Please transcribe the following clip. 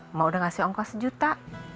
emang udah ngasih ongkos sejuta